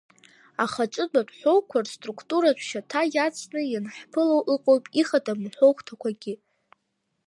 Ахаҿыдатә ҳәоуқәа рструқтуратә шьаҭа иацны ианҳԥыло ыҟоуп ихадам аҳәоу хәҭақәагьы.